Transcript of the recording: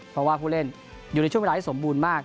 เพราะว่าผู้เล่นอยู่ในช่วงเวลาที่สมบูรณ์มาก